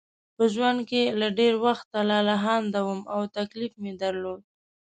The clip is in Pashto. په ژوند کې له ډېر وخته لالهانده وم او تکلیف مې درلود.